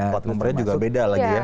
spot numbernya juga beda lagi ya